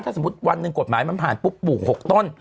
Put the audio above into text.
ถ้าสมมุติวันหนึ่งกฎหมายมันผ่านปุ๊บปลูก๖ต้น